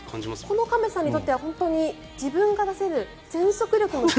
この亀さんにとっては自分が出せる全速力。